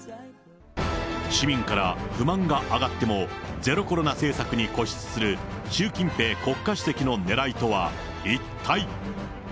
市民から不満が上がっても、ゼロコロナ政策に固執する習近平国家主席のねらいとは一体。